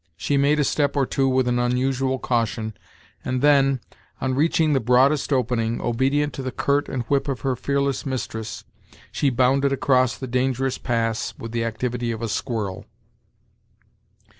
She made a step or two with an unusual caution, and then, on reaching the broadest opening, obedient to the curt and whip of her fearless mistress, she bounded across the dangerous pass with the activity of a squirrel.